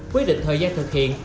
quyết định thời gian thực hiện